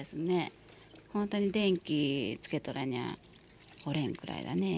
本当に電気つけとらにゃおれんくらいだねえ。